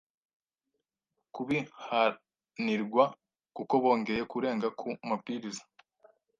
kubihanirwa kuko bongeye kurenga ku mabwiriza.